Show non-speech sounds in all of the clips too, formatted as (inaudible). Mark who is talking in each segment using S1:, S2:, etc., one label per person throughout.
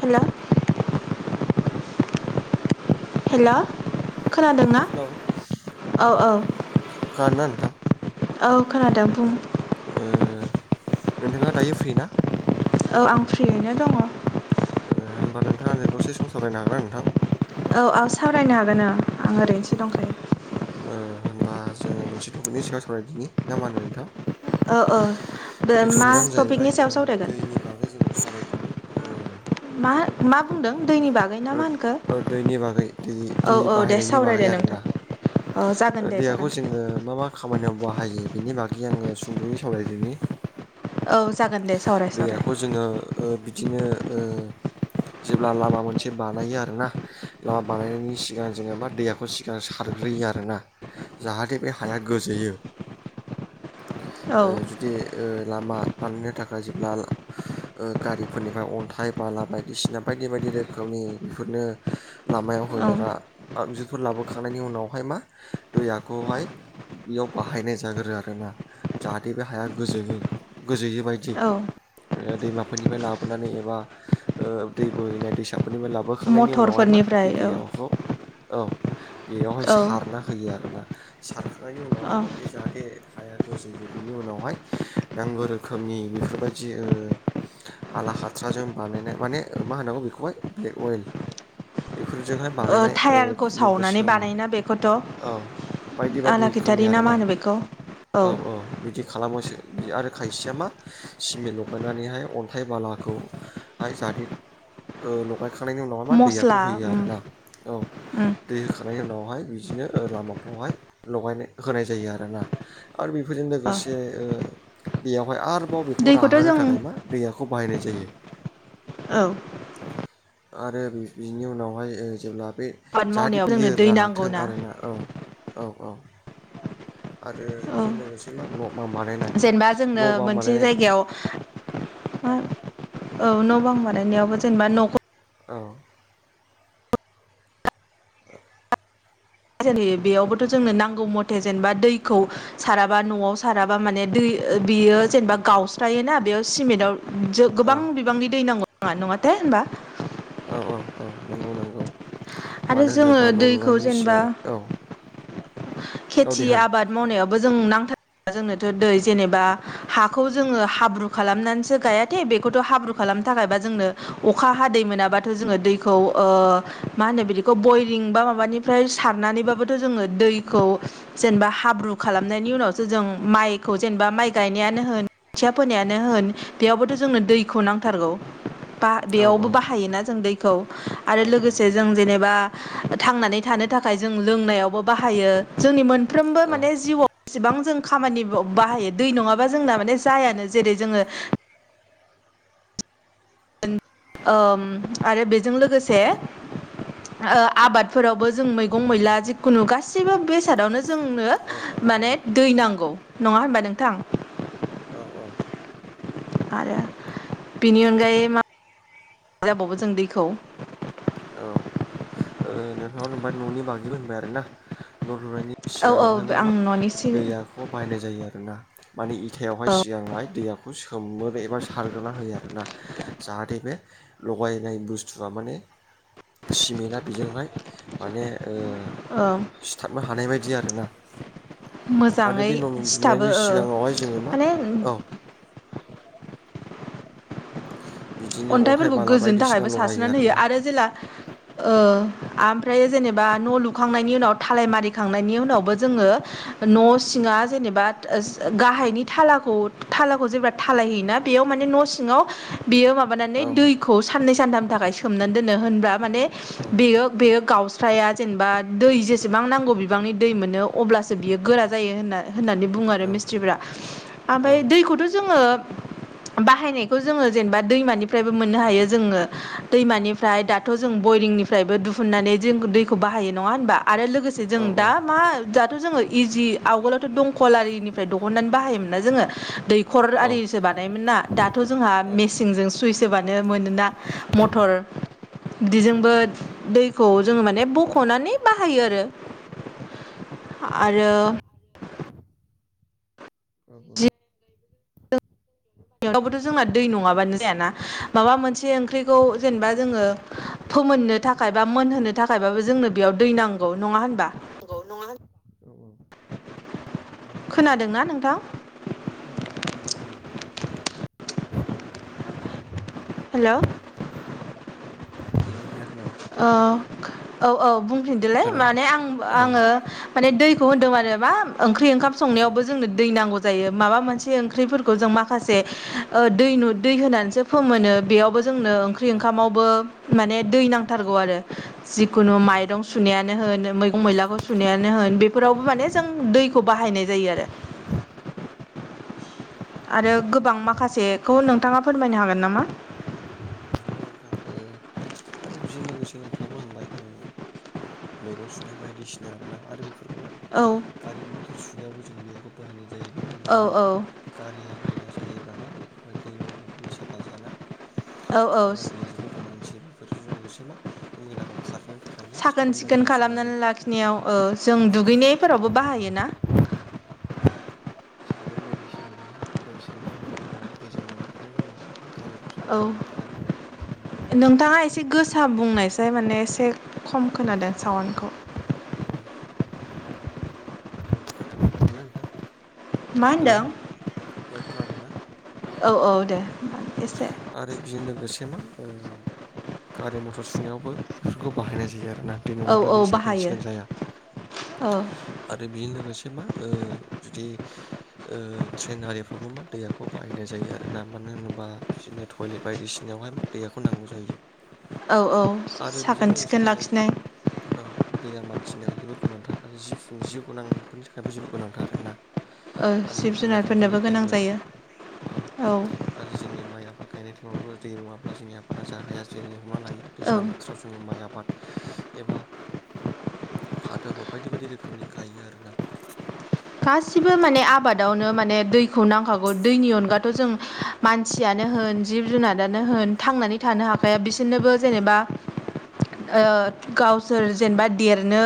S1: Hello hello खोनादोंना
S2: hello
S1: औ औ
S2: खोनादोंना नोंथां
S1: औ खोनादों बुं
S2: ओ नोंथाङा दायो फ्रि ना
S1: औ आं फ्रियैनो दङ।
S2: ए होनबा नोंथाङा आंजों दसे सम सावरायनो हागोन ना नोंथां
S1: औ औ सावरायनो हागोन ओ आं ओरैनोसो दंखायो
S2: ओ होनबा जोङो मोनसे टपिकनि सायाव सावरायदिनि ना मा होनो नोंथां
S1: औ औ
S2: बे
S1: मा
S2: टपिकआनो
S1: टपिकनि
S2: जाहैबाय
S1: सायाव सावरायगोन
S2: दैनि बागै जोङो सारायदिनि ओ
S1: मा मा? बुंदों दैनि बागै ना मा होनखो
S2: दैनि बागै दै
S1: औ
S2: दै
S1: औ दे
S2: बाहायनायनि बागै
S1: सावरायदो नोंथां
S2: आरोना
S1: औ जागोन दे
S2: देहाखौ
S1: जागोन दे
S2: जोङो मा मा खालामो खामानियाव बाहायो बिनि बागै आङो सुंद'यै सावरायदोनि
S1: औ जागोन दे सावराय सावराय
S2: दैयाखौ जोङो बिदिनो ओ जेब्ला लामा मोनसे बानायो आरोना लामा बानायनायनि सिगां जोङेबा दैयाखौ सिगां सारग्रोयो आरोना जाहाथे बे हाया गोजोयो
S1: औ
S2: ओ जुदि ओ लामा बानायनो थाखाय जेब्ला ओ गारिफोरनिफ्राय अन्थाइ बाला बायदिसिना बायदि बायदि रोखोमनि बेफोरनो लामायाव
S1: औ
S2: होजेरा आगजुफोर लाबोखांनायनि उनावहाय मा दैयाखौहाय बेयाव बाहायनाय जागोरो आरोना जाहाथे बे हाया गोजोयो। गोजोयो बायदि
S1: औ
S2: दैमाफोरनिफ्राय लाबोनानै एबा दै ओ बोहैनाय दैसा फोरनिफ्राय लाबोखांनायनि उनावहाय मा
S1: मटरफोरनिफ्राय
S2: बे
S1: औ
S2: दैयाखौ औ बेयावहाय
S1: औ
S2: सारना होयो आरोना सारखांनायनि उनावहाय
S1: औ
S2: मा बे जाथे हाया गोजो बेनि उनावहाय नांगौ रोखोमनि बेफोरबायदि आला हाथ्राजों बानायनाय माने मा होनांगौ बेखौहाय ब्लेक अइेल फोरजोंहाय बानायनाय ओ
S1: टायारखौ सावनानै
S2: गोसोम
S1: बानायोना बेखौथ'
S2: औ बायदि बायदि रोखोमनि
S1: आलाखिथारि ना
S2: आरो
S1: मा होनो बेखौ
S2: औ औ बिदि खालामोसो आरो खायसेया मा सिमेन्ट लगायनानैहाय अन्थाइ बालाखौहाय जाथे ओ लगाय होखांनायनि उनावहाय मा दैयाखौ
S1: मस्ला
S2: होयो
S1: उम
S2: आरो ना औ
S1: उम
S2: दै होखांनायनि उनावहाय बिदिनो लामाफ्रावहाय लगायनाय होखानाय जायो आरोना। आरो बेफोरजों
S1: औ
S2: लोगोसे बेयावहाय आरो आरोबाव बेखौ
S1: दैखौथ'
S2: राहोनो
S1: जों
S2: थाखाय मा
S1: औ
S2: दैयाखौ बाहायनाय जायो।
S1: औ।
S2: आरो बिनि उनावहाय ओ जेब्ला बे
S1: आबाद
S2: जाहाथे
S1: मावनायाव जोंनो
S2: बियो
S1: दै नांगौ
S2: राथों
S1: ना
S2: आरोना औ औ औ आरो
S1: औ
S2: बेजों लोगोसे मा न' मा बानायनाय
S1: जेनेबा जोंनो
S2: न' बां
S1: मोनसे
S2: बानायनाय
S1: जायगायाव औ न' बां बानायनायावबो जेनेबा न'खौ
S2: औ
S1: बेयावबोथ' जोंनो नांगौ मथे जेनेबा दैखौ साराबा न'आव साराबा माने दै बियो जेनेबा गावस्रायोना बेयाव सिमेन्टाव
S2: औ
S1: गोबां बिबांनि दै नांगौ आ नङाथाये होनोमबा
S2: औ औ औ नंगौ नंगौ
S1: आरो
S2: मानो
S1: जोङो
S2: होनोबा न'
S1: दैखौ
S2: लुनायनि
S1: जेनेबा
S2: सिगाङाव औ औ दे
S1: खेथि
S2: होन
S1: आबाद मावनायावबो जों नांथार जोंनोथ' दै जेनेबा हाखौ जोङो हाब्रु खालामनानैसो गायाथे बेखौथ' हाब्रु खालामना नो थाखाय बा जोंनो अखा हादै मोनाबाथ' जोङो दैखौ ओ मा होनो बि बयरिं माबानिफ्राय सारनानैबाबोथ' जोङो दै खौ जेनेबा हाब्रु खालामनायनि उनावसो जों माइखौ जेनेबा माइ गायनायानो होन खोथिया फोनायानो होन बेयावबोथ' जोंनो दैखौ नांथारगौ बा
S2: औ
S1: बेयावबो बाहायोना जों दैखौ
S2: औ
S1: आरो लोगोसे जों जेनेबा थांनानै थानो थाखाय जों लोंनायावबो बाहायो जोंनि मोनफ्रोमबो
S2: औ
S1: माने जिउआव बेसेबां जों खामानि बाहायो दै नङाबा जोंना माने जायानो जेरै जोङो
S2: (inaudible)
S1: ओम आरो बेजों लोगोसे ओ आबादफोरावबो जों मैगं मैला जिखुनु गासिबो बेसादावनो जोंनो माने दै नांगौ नङा होमबा नोंथां
S2: औ
S1: आरो बिनि अनगायै मा जाबावो जों दैखौ
S2: औ ओ नोंथाङा न'नि बागिबो होनबाय आरो ना न' लुनायनि
S1: औ औ
S2: सिगाङावहायबो
S1: आं
S2: मा
S1: न'नि सिगां
S2: दैयाखौ बायनाय जायो आरोना माने इथायावहाय सिगांहाय दैयाखौ सोमोनो एबा सार बेगना होयो आरो ना जाहाथे बे लगायनाय बुस्थुआ माने सिमेन्टआ बिजोंहाय माने ओ
S1: ओ
S2: सिथाबनो हानाय बायदि आरोना आरो
S1: मोजाङै
S2: बे
S1: सिथाबो
S2: न'लुनायनि सिगाङावहाय जोङो
S1: ओ
S2: मा
S1: माने
S2: औ (inaudible) बिदिनो अन्थाइ
S1: अन्थाइफोरखौ
S2: बाला
S1: गोजोनो
S2: बायदिसिना
S1: थाखायबो
S2: लगायो
S1: सारस्रिनानै होयो
S2: आरोना
S1: आरो जेला ओ ओमफ्राय जेनेबा न' लुखांनायनि उनाव थालाय मारिखांनायनि उनावबो जोङो न' सिंनि आं जेनेबा गाहायनि थालाखौ थालाखौ जेनेबा थालाय होयोना बेयाव माने न'सिंआव बेयो माबानानै
S2: औ
S1: दैखौ सानैसो सानथामनि थाखाय सोमनानै दोनो होनबा माने
S2: औ
S1: बेयो बेयो गावस्राया जेनेबा दै जेसेबां नांगौ बिबांनि दै मोनो अब्लासो बियो गोराजायोनानै बुङो आरो मिसट्रिफोरा
S2: औ
S1: ओमफ्राय दैखौथ' जोङो बाहायनायखौ जोङो जेनेबा दैमानिफ्रायबो मोननो हायो जोङो दैमानिफ्राय दाथ' जों बयरिंनिफ्रायबो दिुहुननानै जों दैखौ बाहायो नङा होनबा आरो लोगोसे जों
S2: औ
S1: दा मा दाथ' जोङो इजि आवगोलावथ' दंख'ला दैनिफ्राय दहननानै बाहायोमोन ना जोंङो दैयखर आरिसो बानायोमोन ना दाथ' जोंहा
S2: औ
S1: मेस सिंजों सुइस होबानो मोनोना मथर बिदिजोंबो दैखौ जोङो माने बख'नानै बाहायो आरो आरो
S2: औ औ
S1: बेयावबोथ' जोंना दै नङाबानो जायाना माबा मोनसे ओंख्रिखौ जेनेबा जोङो फोमोननो थाखाय बा मोनहोनो थाखायबाबो जोंनो बेयाव दै नांगौ नङा होनबा
S2: नंगौ नंगौ
S1: खोनादोंना नोंथां?
S2: औ खोनादों नोंथां खोनादों खोनादों
S1: हेल'
S2: औ औ हेल' खोनायाखै नामा
S1: अ औ औ बुंफिनदोलाय
S2: हेल' औ
S1: माने आं
S2: औ
S1: आङो माने दै खौ होनदों आरो मा‌ ओंख्रि ओंखाम संनायावबो जोंनो दै नांगौ जायो माबा मोनसे ओंख्रिफोरखौ जों माखासे ओ दै नु दै होनानैसो फोमोनो बेयावबो जोंनो ओंख्रि ओंखामावबो माने दै नां थारगौ आरो जिखुनु माइरं सुनायानो होन मैगं मैलाखौ सुनाया नो होन बेफोरावबो माने जों दैखौ बाहायनाय जायो आरो आरो गोबां माखासेखौ नोंथाङा फोरमायनो हागोन नामा
S2: नंगौ नोंथां ओ आरो बिजोंनो लोगोसे नोंथाबो होनबाय मैगं सुनाय बायदिसिना आरोना आरो बे फोरखौ मा
S1: औ
S2: गारि मथर सुनायावबो जोङो दैयाखौ बाहायनाय जायोबा
S1: औ
S2: दोनोबा
S1: औ
S2: गारिया मैला जायोब्ला मा बेखौहाय दै नङाब्लाथ' बे साफा जायाना
S1: औ औ
S2: मानोना दैया जेबो गोनांथि बेफोरजों लोगोसे मा बे मैलाखौ खारनो थाखाय मा
S1: साखोन
S2: साबोन
S1: सिखोन
S2: बायदिसिनाजों
S1: खालामनानै लाखिनायाव ओ जों
S2: औ (inaudible)
S1: दुगैनायफोरावबो बाहायोना
S2: साबोन बायदिसिनाजोंहाय मा ओ‌ सेन्फामिफोर होननानै दैजों लगायखांनायनि उनावहाय गारिफ्राव
S1: औ
S2: सारना होयो आरोना
S1: नोंथाङा एसे गोसा बुंनायसाय
S2: औ
S1: माने एसे खम खोनादों साउन्डखौ
S2: नोंथां
S1: मा
S2: हेल'
S1: होनदों
S2: खोनादोंना
S1: औ औ दे होमबा एसे
S2: आरो बेजों लोगोसे मा ओ गारि मथर सुनायावबो बेफोरखौ बाहायनाय जायो आरो रोनान्थि
S1: औ
S2: नङाब्ला बियो
S1: औ
S2: साखोन
S1: बाहायो
S2: सिखोन जाया
S1: औ
S2: आरो बेजों लोगोसे मा ओ जुदि ओ ट्रेनारिफ्रावबो मा दैयाखौ बाहायनाय जायो आरो दा मानो होनोबा बिदिनो टयलेट बायदिसिनायावहाय मा दैयाखौ नांगौ जायो
S1: औ औ
S2: आरो बेजों
S1: साखोन
S2: लोगोसे
S1: सिखोन लाखिनाय
S2: थिनियालिबो गोनांथार आरो जि जिउ गोनांफोरनि थाखायबो जेबो गोनांथार आर ना
S1: ओं जिब जुनारफोरनोबो गोनां जायो
S2: औ
S1: औ
S2: आरो जोंनि माइ आबाद गायनाय टाइमावबो दै नङाब्ला जोंनि आबादा जाहाया जेरै हमना लायो
S1: औ
S2: दैज्लां बोथोराव जोङो माइ आबाद एबा फाथाबो बायदि बायदि रोखोमनि गायो आरोना
S1: गासिबो माने आबादावनो माने दैखौ नांखागौ दैनि अनगाथ' जों मानसियानो होन जिब जुनारानो होन थांनानै थानो हाखाया बिसोरनोबो जेनेबा ओ गावसोर जेनेबा देरनो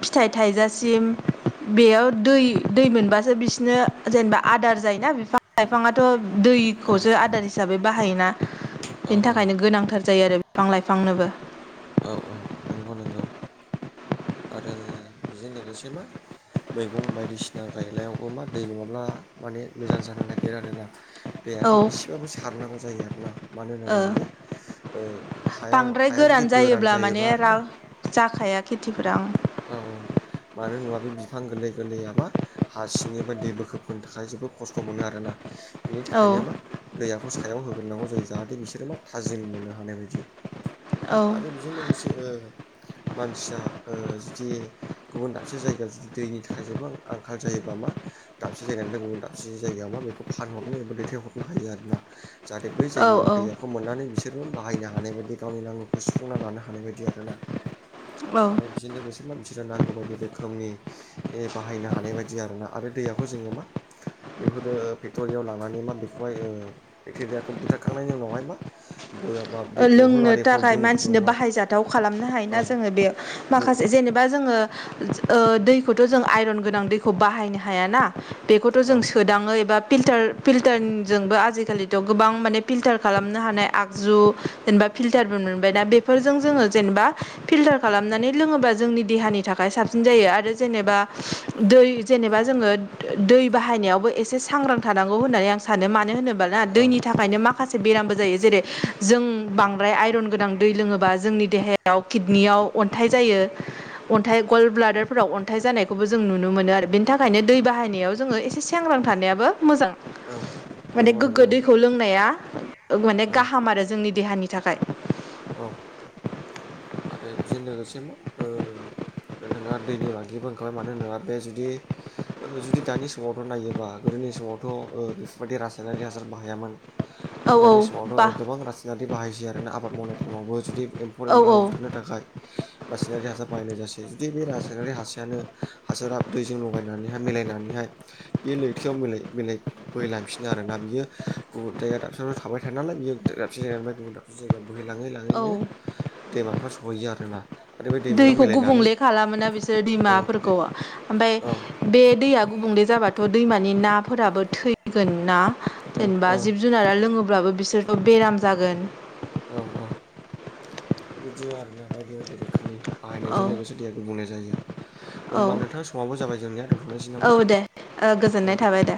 S1: फिथाइ थाइजासिम बेयाव दै दै मोनबासो बिसोरनो जेनेबा आदार जायोना बिफां लाइफाङाथ'
S2: औ
S1: दैखौसो आदार हिसाबै बाहायोना
S2: औ
S1: बेनि
S2: औ
S1: थाखायनो गोनांथार जायो आरो बिफां लाइफांनोबो
S2: औ औ नंगौ नंगौ आरो बिजों लोगोसे मा मैगं बायदिसिना गायनायावबो मा दै नङाब्ला माने मोजां जानो नागिरो आरोना
S1: औ
S2: देहाखौ इसेबाबो सारनांगौ जायो आर ना मानो
S1: ओ
S2: होनोबा बियो हाया
S1: बांद्राय
S2: हाया जुदि
S1: गोरान
S2: गोरान
S1: जायोब्ला
S2: जायोबा
S1: माने रा
S2: आरोना
S1: जाखाया खेथिफोरा
S2: औ औ। मानो होनोबा बे बिफां गोरलै गोरलैयाबा हा सिंनिफ्राय दै बोखोबोनो थाखाय जोबोद खस्थ' मोनो आरोना। बेनि थाखायनो मा दैयाखौ सायाव होग्रोनांगौ जायो जाहाथे बिसोरो मा थाजिम मोननो हानाय बायदि।
S1: औ
S2: आरो बेजों लोगोसे ओ मानसिया ओ जुदि गुबुन दाबसे जायगायाव जुदि दैनि थाखाय जोबां आंखाल जायोबा मा दाबसे जायगानिफ्राय गुबुन दाब बसे जायगायाव मा बेखौ फारहरनो एबा दैथायहरनो हायो आरोना। जाहाथे बै
S1: औ
S2: जायगायाव दैयाखौ मोननानै बिसोरबो बाहायना हा हानाय बायदि गावनि नांगौखौ सुफुंना लानो हानाय बायदि आरोना
S1: औ औ
S2: आरो बेजों लोगोसे मानसिनो नांगौ बायदि रोखोमनि ए बाहायनो हानाय बायदि आरोना आरो दैयाखौ जोङो मा बेफोरो फेक्ट'रियाव लांनानै मा बेखौहाय ओ बेक्टेरियाखौ बुथारखांनायनि उनावहाय मा बयामा बे बथल
S1: लोंनो
S2: आरिफ्राव
S1: थाखाय मानसिनो
S2: दुंब्रुआवहाय
S1: बाहायजाथाव खालामनो
S2: औ
S1: हायोना जोङो बे
S2: दु
S1: माखासे जेने बा जोङो ओ दैखौथ' जों आइरन गोनां दैखौ बाहायनो हायाना। बेखौथ'
S2: औ
S1: जों सोदाङो एबा फिलटार फिल्टारनजोंबो आजिखालिथ' गोबां माने फिल्टार खालामनो हानाय आगजु जेनेबा फिल्टारनबो मोनबाय दा बेफोरजों जोङो जेनेबा फिल्टार खालामनानै लोङोबा जोंनि देहानि नि थाखाय साबसिन जायो आरो जेनेबा दै जेनेबा जोङो दै बाहायनायावबो एसे सांग्रां थानांगौ होननानै आं सानो मानो होनोबाला
S2: औ
S1: दैनि थाखायनो माखासे बेरामबो जायो जेरै जों बांद्राय आइरन गोनां दै लोङोबा जोंनि देहायाव किडनियाव अन्थाइ जायो। अन्थाइ गल ब्लादारफोराव अन्थाइ जानायखौबो जों नुनो मोनो आरो बेनि थाखायनो दै बाहायनायाव जोङो एसे सांग्रां ग्रां थानायाबो मोजां।
S2: औ नंगौ नंगौ।
S1: खौ लोंनाया ओ माने
S2: औ
S1: गाहाम आरो जोंनि देहानि थाखाय।
S2: औ आरो बेजों लोगोसेनो ओ नोंथाङा दैनि बागिबो ओंखारबाय मानो होनोबा बे जुदि जुदि ओ दानि समावथ' नायोबा नि समावथ' बेफोरबायदि रासायनारि हासार बाहायामोन।
S1: औ
S2: आरो
S1: औ
S2: दानि समावथ'
S1: बा
S2: गोबां रासनाारि बाहायसायो आरोना आबाद मावनाय टाइमावबो जुदि एम्फौ
S1: औ
S2: एनला
S1: औ
S2: रासायनारि हासार बाहायनाय जासै जुदि बे रासायनारि हासायानो हासारा दैजों लगायनानै मिलायनानैहाय बे लैथायोयाव मिलाय मिलाय बोहैलांफिनो आरोना बियो गुबुन थाबाय थाना नालाय बियो दाबसे जायगानिफ्राय गुबुन दाबसे जायगा बोहै लाङै लाङैनो
S1: औ
S2: दैमाफ्रा सहैयो आरोना। आरो बे दैमायाव
S1: दैखौ
S2: मिलायनानै
S1: गुबुंले खालामोना बिसोर
S2: औ दे
S1: दैमाफोरखौ ओमफ्राय
S2: औ
S1: बे दैया गुबुंले जाबाथ' दैमानि नाफोराबो थैगोन ना
S2: औ
S1: जेनेबा
S2: औ
S1: जिब जुनारा लोङो ब्लाबो बिसोरथ' बेराम जागोन।
S2: औ औ बिदिनो आरोना बायदि बायदि रोखोमनि बाहायनायजों
S1: औ
S2: लोगोसे दैया गुबुंले जायो
S1: औ
S2: होनबा नोंथां समावबो जाबाय जोंनिया दोनथ'नायसै नामा?
S1: औ दे
S2: औ
S1: गोजोननाय थाबाय दे।